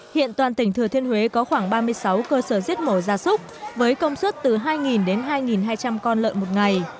hiện toàn tỉnh thừa thiên huế có khoảng ba mươi sáu cơ sở giết mổ ra súc với công suất từ hai đến hai hai trăm linh con lợn một ngày